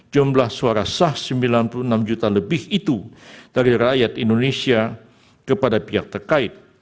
jumlah suara sah sembilan puluh enam juta lebih itu dari rakyat indonesia kepada pihak terkait